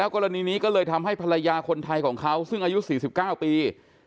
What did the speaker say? กรณีนี้ก็เลยทำให้ภรรยาคนไทยของเขาซึ่งอายุ๔๙ปี